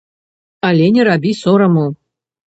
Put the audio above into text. Але не рабі сораму.